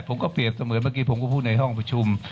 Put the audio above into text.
ผมก็เปรียบเสมือนเมื่อกี้ผมก็พูดในห้องประชุม